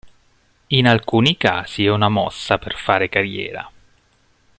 In alcuni casi è una mossa per fare carriera".